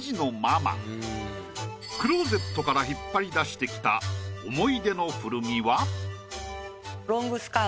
クローゼットから引っ張り出してきた思い出の古着は。